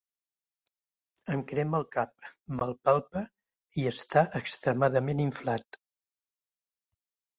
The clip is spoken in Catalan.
Em crema el cap, me’l palpa i està extremadament inflat.